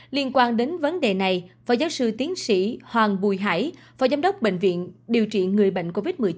liên quan đến vấn đề này phó giáo sư tiến sĩ hoàng bùi hải phó giám đốc bệnh viện điều trị người bệnh covid một mươi chín